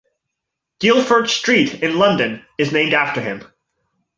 Guilford Street in London is named after him.